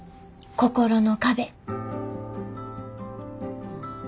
心の壁。